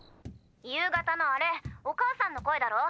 ☎夕方のあれお母さんの声だろ？